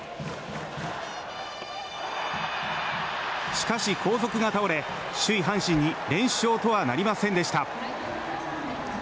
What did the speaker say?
しかし、後続が倒れ首位、阪神に連勝とはなりませんでした。